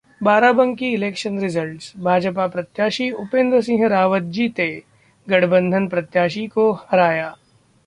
Barabanki Election Result: Bhajpa प्रत्याशी उपेंद्र सिंह रावत जीते, गठबंधन प्रत्याशी को हराया